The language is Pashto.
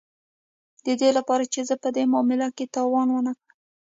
د دې لپاره چې زه په دې معامله کې تاوان ونه کړم